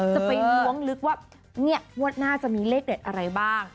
จะไปล้วงลึกว่าเนี่ยงวดหน้าจะมีเลขเด็ดอะไรบ้าง